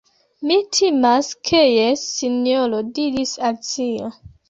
"Mi timas ke jes, Sinjoro," diris Alicio.